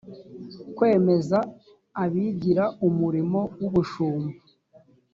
kwemeza abigira umurimo w ubushumba